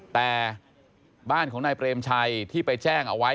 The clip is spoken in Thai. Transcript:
แต่บ้านของนายเปรมชัยที่ไปแจ้งเอาไว้